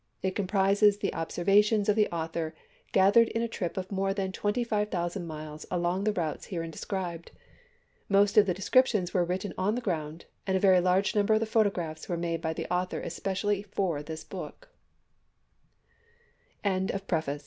It comprises the observations of the author gathered in a trip of more than twenty five thousand miles along the routes herein described. Most of the descriptions were written on the ground, and a very large number of the photographs were made by the author especially for this